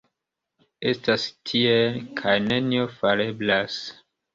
Estas tiel, kaj nenio fareblas.